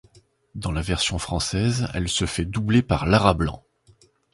Dans la version française, elle se fait doubler par Laura Blanc.